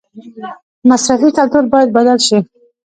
مصرفي کلتور باید بدل شي